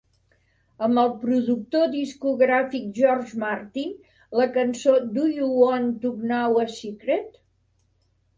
Amb el productor discogràfic George Martin, la cançó Do You Want to Know a Secret?